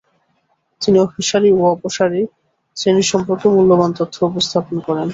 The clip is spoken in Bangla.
তিনি অভিসারী ও অপসারী শ্রেণী সম্পর্কে মূল্যবান তথ্য উপস্থাপন করেন।